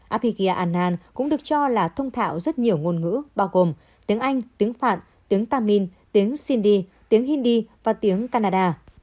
abhigya anand cũng được cho là thông thạo rất nhiều ngôn ngữ bao gồm tiếng anh tiếng phạn tiếng tamil tiếng sindhi tiếng hindi và tiếng canada